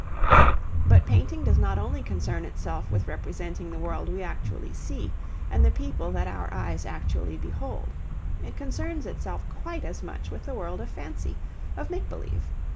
But painting does not only concern itself with representing the world we actually see and the people that our eyes actually behold. It concerns itself quite as much with the world of fancy, of make believe.